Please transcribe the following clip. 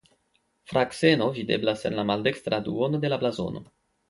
Frakseno videblas en la maldekstra duono de la blazono.